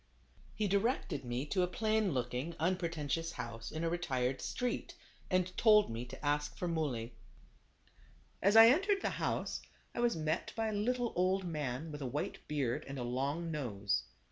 He directed me to a plain looking, un pretentious house, in a retired street, and told me to ask for Muley. As I entered the house, I was met by a little old man with a white beard and long nose.